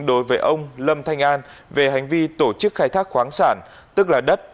đối với ông lâm thanh an về hành vi tổ chức khai thác khoáng sản tức là đất